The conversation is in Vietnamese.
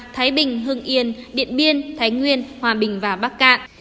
thái bình hưng yên điện biên thái nguyên hòa bình và bắc cạn